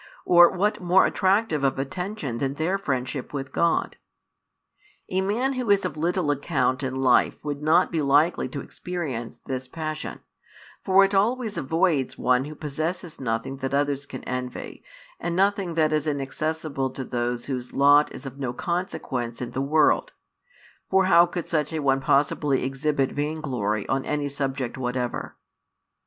or what more attractive of attention than their friendship with God? A man who is of little account in life would not be likely to experience this passion: for it always avoids one who possesses nothing that others can envy and nothing that is inaccessible to those whose lot is of no consequence in the world; for how could such a one possibly exhibit vainglory on any subject whatever?